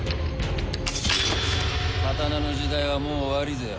刀の時代はもう終わりぜよ。